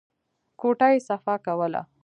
کوټه يې صفا کوله.